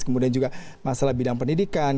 kemudian juga masalah bidang pendidikan